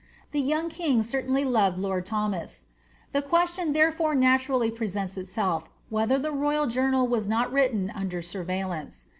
The young king certainly loved lord Thomas; the question tlierefore naturally presents itself, whether the royal journal was not written under surveillance.